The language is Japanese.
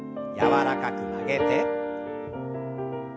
柔らかく曲げて。